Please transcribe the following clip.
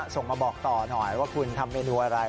ส่งมาบอกต่อหน่อยว่าคุณทำเมนูอะไร